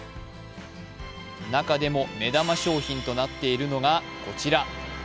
中でも目玉商品となっているのがこちら。